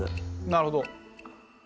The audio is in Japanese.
なるほど。